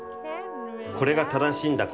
これが正しいんだ。